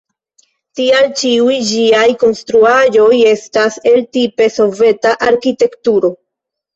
Tial ĉiuj ĝiaj konstruaĵoj estas el tipe soveta arkitekturo.